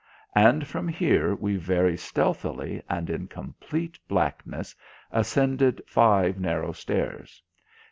And from here we very stealthily and in complete blackness ascended five narrow stairs.